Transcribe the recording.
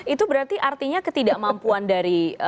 itu berarti artinya ketidakmampuan dari